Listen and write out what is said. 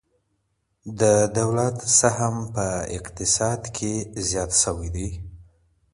د دولت سهم په اقتصاد کي زیات سوی دی.